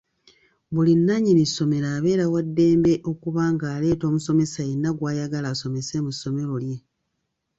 Buli nnannyini ssomero abeera wa ddembe okuba ng’aleeta omusomesa yenna gw’ayagala asomese mu ssomero lye.